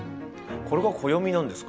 これが暦なんですか？